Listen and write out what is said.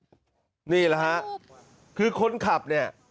เหมือนดีล่ะหะคือคนขับเนี่ย